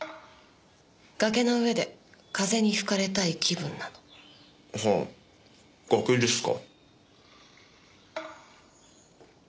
崖の上で風に吹かれたい気分なの。はあ崖ですか。